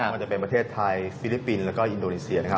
มันจะเป็นประเทศไทยฟิลิปปินส์แล้วก็อินโดนีเซียนะครับ